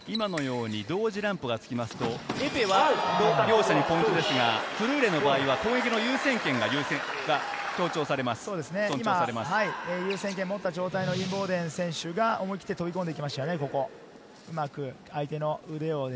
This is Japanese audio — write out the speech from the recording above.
同時ランプがつきますと、エペは両者に２ポイントですが、フルーレの場合は優先権をもった状態のインボーデン選手が思い切って飛び込んできましたね。